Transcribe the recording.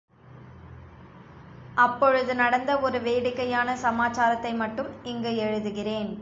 அப்பொழுது நடந்த ஒரு வேடிக்கையான சமாச்சாரத்தை மட்டும் இங்கு எழுதுகிறேன்.